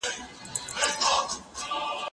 ایا ته منډه وهې،